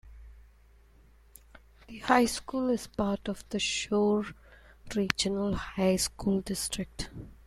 The high school is part of the Shore Regional High School District.